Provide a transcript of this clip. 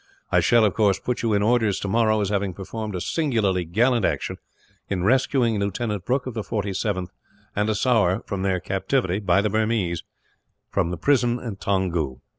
I shall, of course, put you in orders tomorrow as having performed a singularly gallant action, in rescuing Lieutenant Brooke of the 47th and a sowar from their captivity, by the Burmese, in a prison at Toungoo.